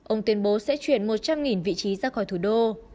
ông tuyên bố sẽ chuyển một trăm linh vị trí ra khỏi thủ đô